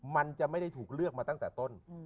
มันจะไม่ได้ถูกเลือกมาตั้งแต่ต้น